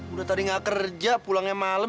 udah tadi gak kerja pulangnya malam